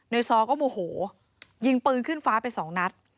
ซอก็โมโหยิงปืนขึ้นฟ้าไปสองนัด